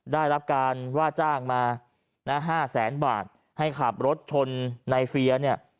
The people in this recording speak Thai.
ได้รับการว่าจ้างมานะ๕แสนบาทให้ขับรถชนในเฟียเนี่ย